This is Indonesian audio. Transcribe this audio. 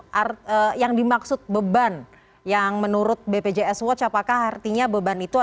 baik dokter mas timbul apakah itu yang dimaksud beban yang menurut bpjs watch apakah artinya beban itu ada